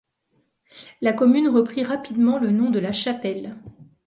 La commune reprit rapidement le nom de La Chapelle.